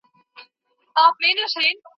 پرېماني د نعمتونو د ځنګله وه